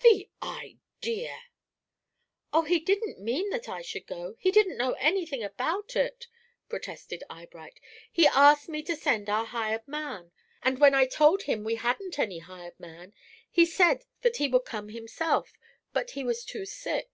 The idea!" "Oh, he didn't mean that I should go, he didn't know any thing about it," protested Eyebright. "He asked me to send our hired man, and when I told him we hadn't any hired man, he said then he would come himself; but he was too sick.